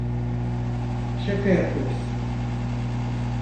Şaka yapıyorsun.